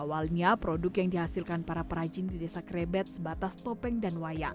awalnya produk yang dihasilkan para perajin di desa krebet sebatas topeng dan wayang